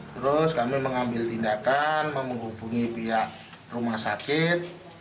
terus kami mengambil tindakan menghubungi pihak rumah sakit